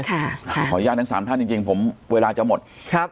ขออนุญาตทั้งสามท่านจริงจริงผมเวลาจะหมดครับ